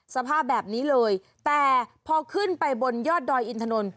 สภาพแบบนี้เลยแต่พอขึ้นไปบนยอดดอยอินถนน